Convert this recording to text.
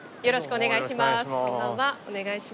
よろしくお願いします。